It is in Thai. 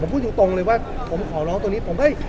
ผมพูดถูกตรงเลยว่าผมขอร้องตัวนี้